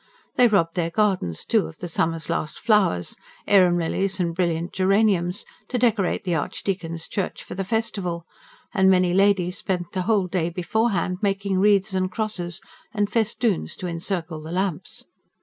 They robbed their gardens, too, of the summer's last flowers, arum lilies and brilliant geraniums, to decorate the Archdeacon's church for the festival; and many ladies spent the whole day beforehand making wreaths and crosses, and festoons to encircle the lamps.